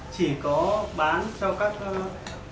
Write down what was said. chỉ có bán cho các công ty